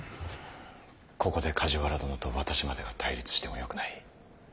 ここで梶原殿と私までが対立してはよくない。